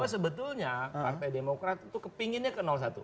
sebetulnya partai demokrat itu kepinginnya ke satu